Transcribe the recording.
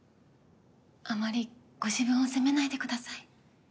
あまりご自分を責めないでください。